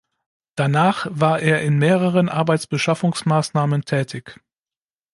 Danach war er in mehreren Arbeitsbeschaffungsmaßnahmen tätig.